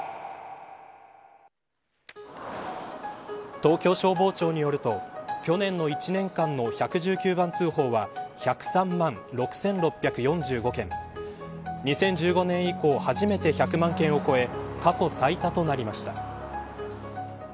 東京消防庁によると去年の１年間の１１９番通報は１０３万６６４５件２０１５年以降初めて１００万件を超え過去最多となりました。